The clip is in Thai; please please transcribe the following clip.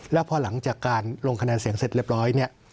แล้วพอหลังจากการลงคะแนนเสียงเสร็จเรียบร้อยเนี่ย